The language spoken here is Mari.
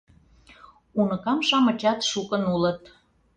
Уныкам-шамычат шукын улыт.